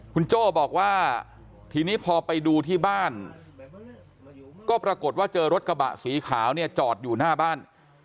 คุณโจ้บอกว่าทีนี้พอไปดูที่บ้านก็ปรากฏว่าเจอรถกระบะสีขาวเนี่ยจอดอยู่หน้าบ้าน